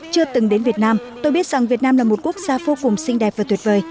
chưa từng đến việt nam tôi biết rằng việt nam là một quốc gia vô cùng xinh đẹp và tuyệt vời